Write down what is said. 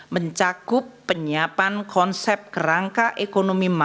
mencakup penyiapan konsep kerangka ekonomi makro